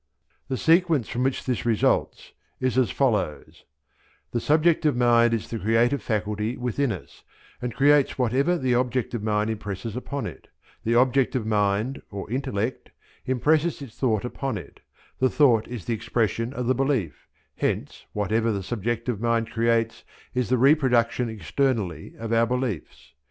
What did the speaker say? The sequence from which this results is as follows: the subjective mind is the creative faculty within us, and creates whatever the objective mind impresses upon it; the objective mind, or intellect, impresses its thought upon it; the thought is the expression of the belief; hence whatever the subjective mind creates is the reproduction externally of our beliefs.